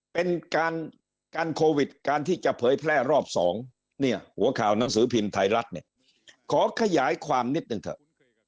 เป็นการโควิดการที่จะเผยแพร่รอบสองเนี่ยหัวข่าวหนังสือพิมพ์ไทยรัฐเนี่ยขอขยายความนิดหนึ่งเถอะ